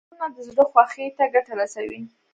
عطرونه د زړه خوښۍ ته ګټه رسوي.